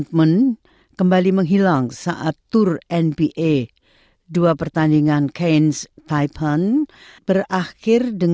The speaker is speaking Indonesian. dan penyelesaian performa tentang semua bilion dolar yang kita telah membeli